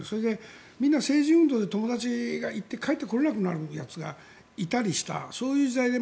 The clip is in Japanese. みんな政治運動で友達が行って帰ってこれなくなるやつがいたりした。